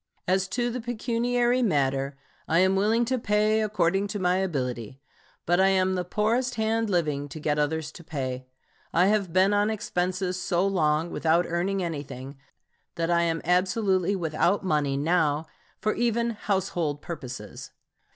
As to the pecuniary matter, I am willing to pay according to my ability, but I am the poorest hand living to get others to pay. I have been on expenses so long without earning anything that I am absolutely without money now for even household purposes.